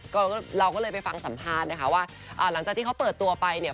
ก็เราก็เลยไปฟังสัมภาษณ์นะคะว่าอ่าหลังจากที่เขาเปิดตัวไปเนี่ย